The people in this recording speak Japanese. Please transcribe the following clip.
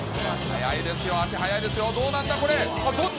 速いですよ、足速いですよ、どうなんだ、これ、どっち？